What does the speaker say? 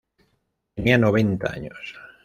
Tenía noventa años.